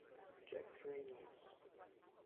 Jack Reynolds